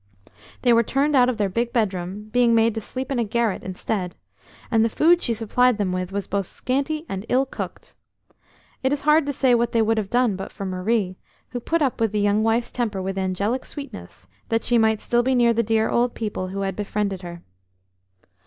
They were turned out of their big bedroom, being made to sleep in a garret instead, and the food she supplied them with was both scanty and ill cooked. It is hard to say what they would have done but for Marie, who put up with the young wife's temper with angelic sweetness, that she might still be near the dear old people who had befriended her.